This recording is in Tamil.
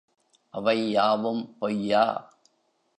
அவை யாவும் பொய்யா?